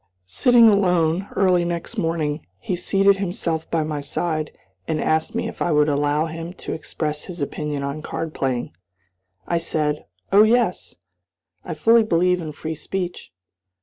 Sitting alone, early next morning, he seated himself by my side, and asked me if I would allow him to express his opinion on card playing. I said "Oh, yes! I fully believe in free speech."